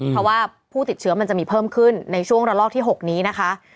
เพราะว่าผู้ติดเชื้อมันจะมีเพิ่มขึ้นในช่วงระลอกที่๖นี้นะคะ